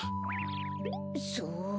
そう。